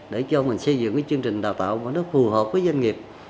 để cho mình xây dựng cái chương trình đào tạo mà nó phù hợp với doanh nghiệp